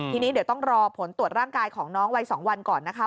ทีนี้เดี๋ยวต้องรอผลตรวจร่างกายของน้องวัย๒วันก่อนนะคะ